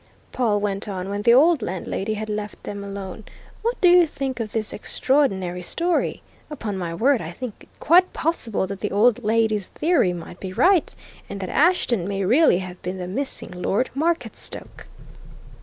Pawle went on, when the old landlady had left them alone, "what do you think of this extraordinary story? Upon my word, I think it quite possible that the old lady's theory might be right, and that Ashton may really have been the missing Lord Marketstoke!"